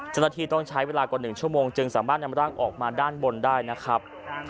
เจ้าหน้าที่ต้องใช้เวลากว่า๑ชั่วโมงจึงสามารถนำร่างออกมาด้านบนได้นะครับ